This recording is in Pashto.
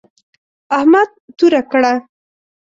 احمد توره کړه.